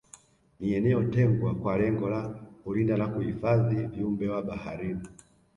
Ni eneo tengwa kwa lengo la kulinda na kuhifadhi viumbe wa baharini